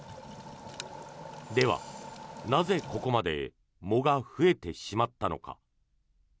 では、なぜここまで藻が増えてしまったのか。